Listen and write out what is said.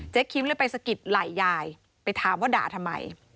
คิมเลยไปสะกิดไหล่ยายไปถามว่าด่าทำไม